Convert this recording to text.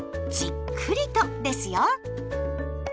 じっくりとですよ！